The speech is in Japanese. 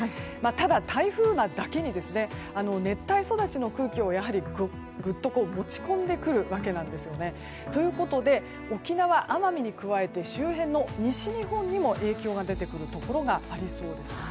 ただ、台風なだけに熱帯育ちの空気を持ち込んでくるわけなんですよね。ということで沖縄、奄美に加えて周辺の西日本にも影響が出てくるところがありそうです。